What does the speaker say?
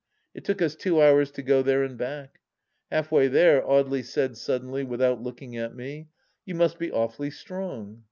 It took us two hours to go there and back. Half way there, Audely said suddenly, without looking at me, " You must be awfully strong."